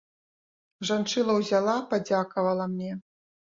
Жанчына ўзяла, падзякавала мне.